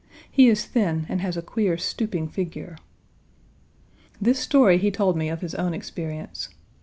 He is thin, and has a queer stooping figure. This story he told me of his own experience.